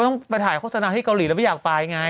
ต้องไปถ่ายโฆษณาที่เกาหลีแล้วไม่อยากไปไง